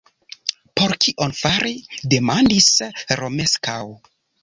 Por kion fari? demandis Romeskaŭ.